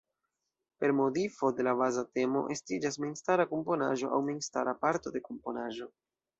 Per modifo de la baza temo estiĝas memstara komponaĵo aŭ memstara parto de komponaĵo.